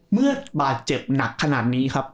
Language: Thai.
เมื่อบาดเจ็บหนักขนาดนี้ครับ